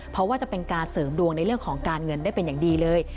เพราะว่าจะเป็นการเสริมดวงในเรื่องของการเงินได้เป็นอย่างดีเลย